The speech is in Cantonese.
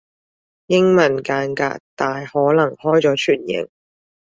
英文間隔大可能開咗全形